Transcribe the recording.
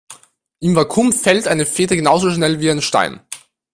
Im Vakuum fällt eine Feder genauso schnell wie ein Stein.